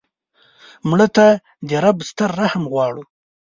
مړه ته د رب ستر رحم غواړو